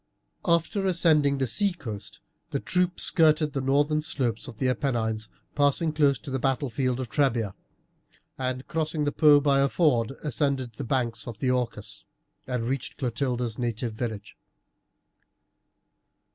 After ascending the sea coast the troop skirted the northern slopes of the Apennines, passing close to the battlefield of Trebia, and crossing the Po by a ford, ascended the banks of the Orcus, and reached Clotilde's native village.